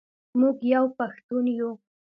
موږ یو پښتون یو.